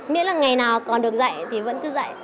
miễn là ngày nào còn được dạy thì vẫn cứ dạy